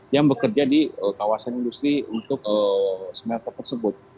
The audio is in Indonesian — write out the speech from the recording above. yang bekerja di kawasan industri untuk smelter tersebut